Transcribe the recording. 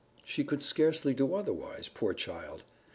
She could scarcely do otherwise, poor child!